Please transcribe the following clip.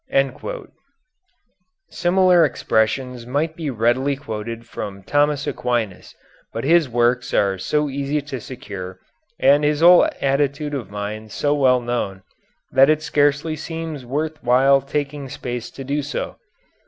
Similar expressions might readily be quoted from Thomas Aquinas, but his works are so easy to secure and his whole attitude of mind so well known, that it scarcely seems worth while taking space to do so.